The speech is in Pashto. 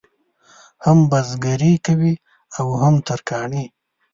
هم بزګري کوي او هم ترکاڼي.